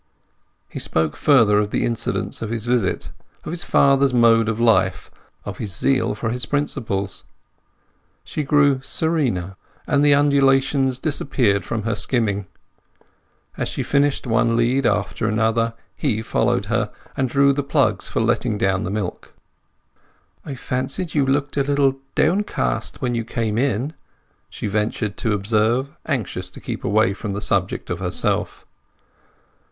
He spoke further of the incidents of his visit, of his father's mode of life, of his zeal for his principles; she grew serener, and the undulations disappeared from her skimming; as she finished one lead after another he followed her, and drew the plugs for letting down the milk. "I fancied you looked a little downcast when you came in," she ventured to observe, anxious to keep away from the subject of herself.